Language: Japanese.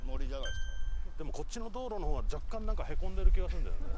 でもこっちの道路の方は若干なんかへこんでる気がするんだよね。